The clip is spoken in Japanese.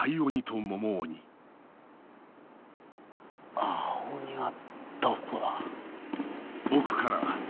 青鬼はどこだ？